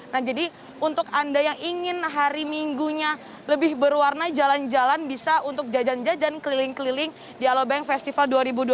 nah jadi untuk anda yang ingin hari minggunya lebih berwarna jalan jalan bisa untuk jajan jajan keliling keliling di alobank festival dua ribu dua puluh tiga